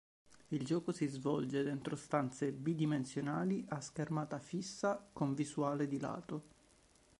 Il gioco si svolge dentro stanze bidimensionali a schermata fissa con visuale di lato.